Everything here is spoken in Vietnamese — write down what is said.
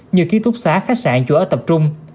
như ký túc xá khách sạn chủ ở tập trung